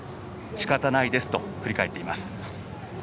しかたないですと振り返っています。